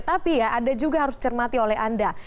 tapi ya ada juga harus cermati oleh anda